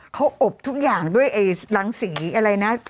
เขาอบทุกอย่างด้วยรังสีอะไรนะ